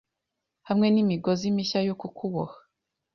hamwe n imigozi mishya yo kukuboha